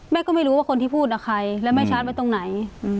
ก็ไม่รู้ว่าคนที่พูดกับใครและแม่ชาร์จไว้ตรงไหน